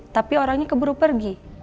tapi orangnya keburu pergi